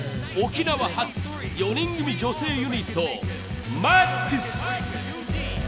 沖縄発４人組女性ユニットＭＡＸ。